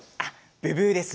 ブブーです。